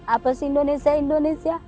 apa sih indonesia indonesia